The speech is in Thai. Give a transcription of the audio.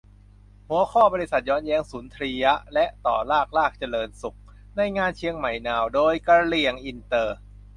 หัวข้อ : บริษัทย้อนแยงสุนทรียะ และ ต่อลาภ ลาภเจริญสุข ในงานเชียงใหม่นาว ! - โดย : กะเหรี่ยงอินเตอร์